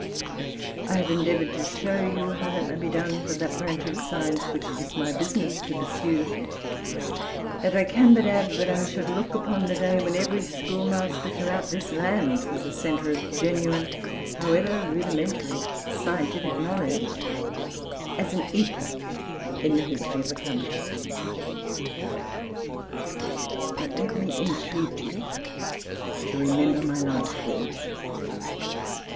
I have endeavoured to show you how that may be done for that branch of science which it is my business to pursue; and I can but add, that I should look upon the day when every schoolmaster throughout this land was a centre of genuine, however rudimentary, scientific knowledge, as an epoch in the history of the country. But let me entreat you to remember my last words.